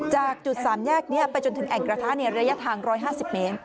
จากจุด๓แยกนี้ไปจนถึงแอ่งกระทะระยะทาง๑๕๐เมตร